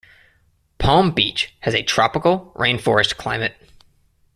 Palm Beach has a tropical rainforest climate.